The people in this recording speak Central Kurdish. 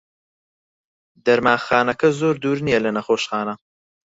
دەرمانخانەکە زۆر دوور نییە لە نەخۆشخانە.